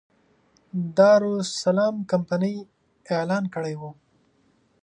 دارالسلام کمپنۍ اعلان کړی و.